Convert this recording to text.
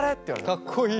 かっこいい。